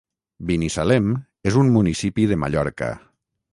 Binissalem és un municipi de Mallorca.